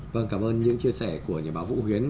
vâng cảm ơn những chia sẻ của nhà báo vũ huyến